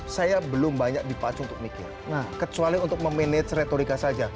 saya belum banyak dipacu untuk mikir kecuali untuk memanage retorika saja